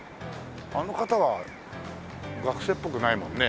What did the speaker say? あの方は学生っぽくないもんね。